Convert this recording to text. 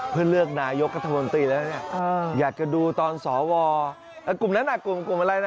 เพื่อเลือกนายกรรภาพมนตรีแล้วอยากจะดูตอนสววัญชัย